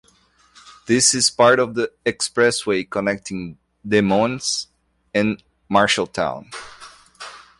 This is part of the expressway connecting Des Moines and Marshalltown.